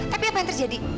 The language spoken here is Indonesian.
tapi apa yang terjadi